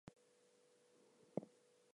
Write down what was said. The patient washed his limbs in a sacred well.